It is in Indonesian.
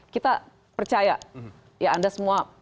kita percaya ya anda semua